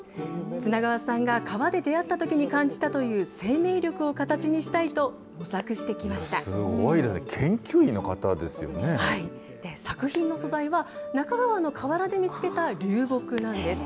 綱川さんが川で出会ったときに感じたという生命力を形にしたいとすごいですね、研究員の方で作品の素材は、那珂川の河原で見つけた流木なんです。